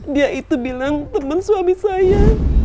dia itu bilang teman suami saya